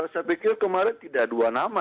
saya pikir kemarin tidak dua nama